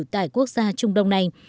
tại quốc gia trung đông này